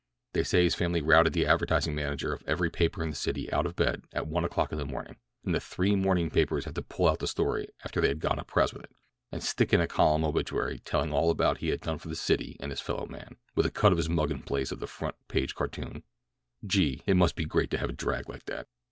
"They say his family routed the advertising manager of every paper in the city out of bed at one o'clock in the morning, and that three morning papers had to pull out the story after they had gone to press with it, and stick in a column obituary tellin' all about what he had done for his city and his fellow man, with a cut of his mug in place of the front page cartoon—gee! But it must be great to have a drag like that."